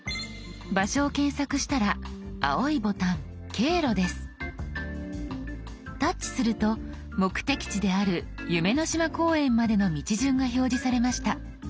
場所を検索したら青いボタン「経路」です。タッチすると目的地である夢の島公園までの道順が表示されました。